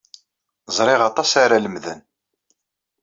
Ẓriɣ aṭas ara d-lemden.